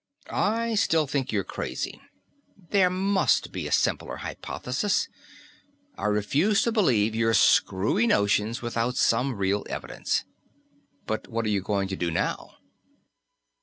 "I still think you're crazy. There must be a simpler hypothesis; I refuse to believe your screwy notions without some real evidence. But what are you going to do now?"